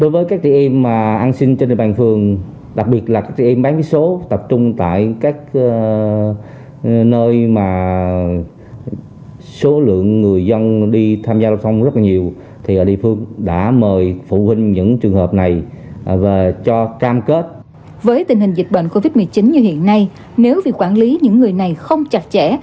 với tình hình dịch bệnh covid một mươi chín như hiện nay nếu việc quản lý những người này không chặt chẽ